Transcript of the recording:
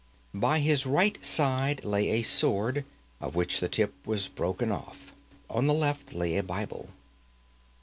By his right side lay a sword, of which the tip was broken off; on the left side lay a Bible.